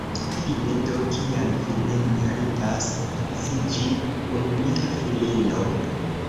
Fine do, kial vi ne meritas edziĝi kun mia filino?